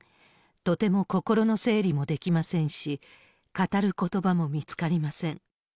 とても心の整理もできませんし、語ることばも見つかりません。